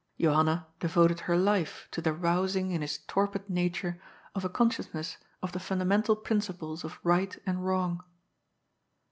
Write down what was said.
Johanna deyoled her life to the rousing in his torpid nature of a consciousness of the fundamental principles of right and wrong.